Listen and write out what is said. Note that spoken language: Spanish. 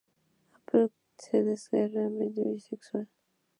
Applegate se declara abiertamente bisexual.